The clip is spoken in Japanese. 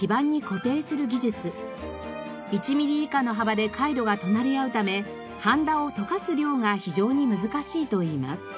１ミリ以下の幅で回路が隣り合うためはんだを溶かす量が非常に難しいといいます。